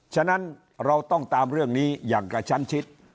ฉะนั้นเราต้องตามเรื่องนี้อย่างกระชั้นชิด